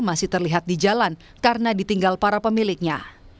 masih terlihat di jalan karena ditinggal para pemiliknya